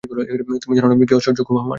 তুমি জান না, কী অসহ্য ক্ষোভ আমার।